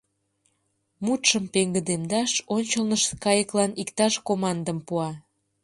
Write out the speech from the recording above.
Мутшым пеҥгыдемдаш ончылнышт кайыклан иктаж командым пуа.